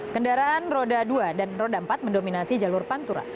kendaraan roda dua dan roda empat mendominasi jalur pantura